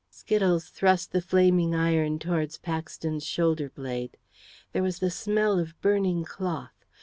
Skittles thrust the flaming iron towards Paxton's shoulder blade. There was a smell of burning cloth.